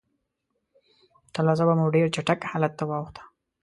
تلوسه به مو ډېر چټک حالت ته واوښته.